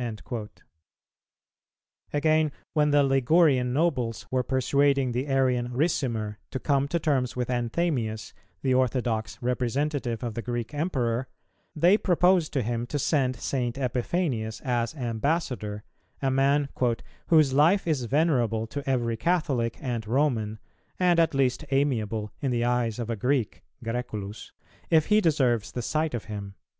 "[280:6] Again when the Ligurian nobles were persuading the Arian Ricimer to come to terms with Anthemius, the orthodox representative of the Greek Emperor,[280:7] they propose to him to send St. Epiphanius as ambassador, a man "whose life is venerable to every Catholic and Roman, and at least amiable in the eyes of a Greek (Græculus) if he deserves the sight of him."